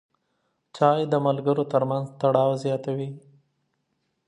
چای د ملګرو ترمنځ تړاو زیاتوي.